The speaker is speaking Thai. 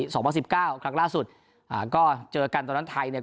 สองพันสิบเก้าครั้งล่าสุดอ่าก็เจอกันตอนนั้นไทยเนี่ย